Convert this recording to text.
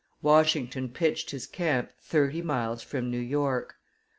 Washington pitched his camp thirty miles from New York.